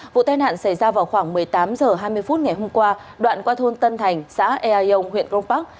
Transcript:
vụ tai nạn xảy ra vào khoảng một mươi tám h hai mươi phút ngày hôm qua đoạn qua thôn tân thành xã ea yông huyện công park